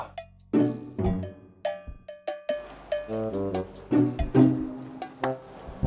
kamu mau dijam aja